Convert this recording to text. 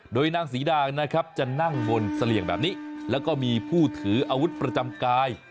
โดยนางศรีดางนะครับจะนั่งบนเสลี่ยงแบบนี้แล้วก็มีผู้ถืออาวุธประจำกาย